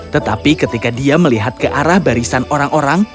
tetapi ketika dia melihat ke arah barisan orang orang